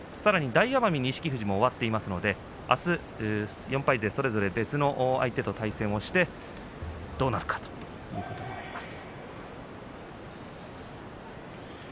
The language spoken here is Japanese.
大奄美と錦富士も終わっていますので４敗勢は、あすそれぞれ別の相手と対戦してどうなるかというところです。